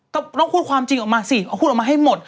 ก็ต้องพูดความจริงออกมาสิเอาพูดออกมาให้หมด